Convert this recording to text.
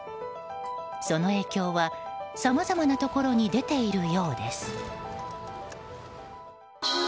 その影響は、さまざまなところに出ているようです。